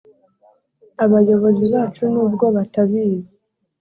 abayobozi bacu nubwo batabizi